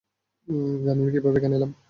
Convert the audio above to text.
জানি না কীভাবে এখানে এলাম।